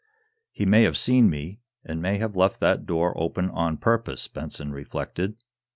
"He may have seen me, and may have left that door open on purpose," Benson reflected.